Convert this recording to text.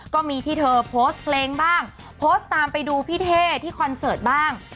ก็มีที่เธอโพสต์เพลงบ้างโพสต์ตามไปดูพี่เท่ที่คอนเสิร์ตบ้าง